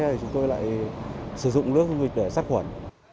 thì chúng tôi lại sử dụng nước giao dịch để sát khuẩn